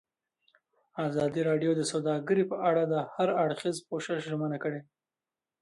ازادي راډیو د سوداګري په اړه د هر اړخیز پوښښ ژمنه کړې.